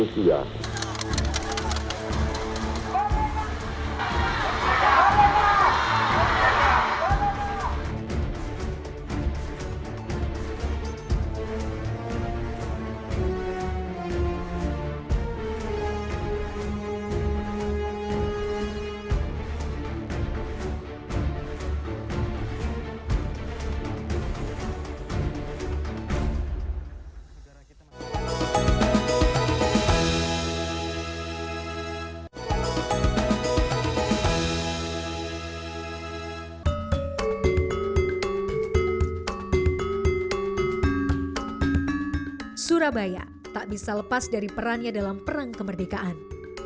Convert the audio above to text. surabaya tak bisa lepas dari perannya dalam perang kemerdekaan